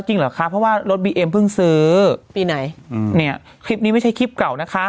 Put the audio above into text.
เหรอคะเพราะว่ารถบีเอ็มเพิ่งซื้อปีไหนอืมเนี่ยคลิปนี้ไม่ใช่คลิปเก่านะคะ